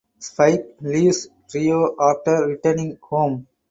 Spike leaves trio after returning home.